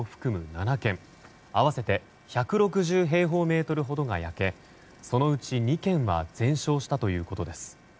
７軒合わせて１６０平方メートルほどが焼けそのうち２軒は全焼したということです。